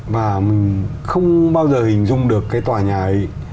và mình không bao giờ hình dung được cái tòa nhà ấy